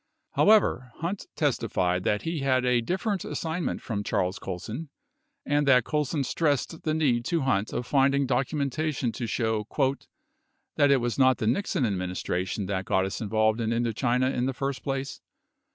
42 However, Hunt testified that he had a different assignment from Charles Colson, and that Colson stressed the need to Hunt of finding documentation to show "that it was not the Nixon administration that got us involved in Indochina in the first place.